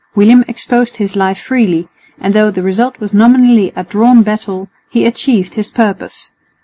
William exposed his life freely, and though the result was nominally a drawn battle, he achieved his purpose.